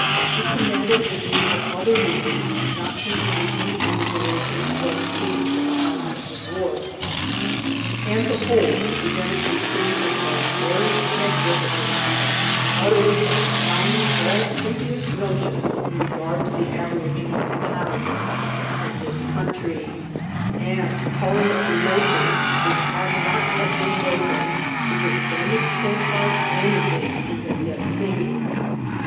It commanded a view of other ruins not contained in the enumeration of those seen from the house of the dwarf; and the whole presented a scene of barbaric magnificence, utterly confounding all previ ous notions in regard to the aboriginal inhabitants of this country, and calling up emotions which had not been wakened to the same extent by anything we had yet seen.